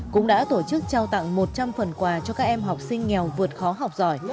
cũng đã tổ chức trao tặng một trăm linh phần quà cho các em học sinh nghèo vượt khó học giỏi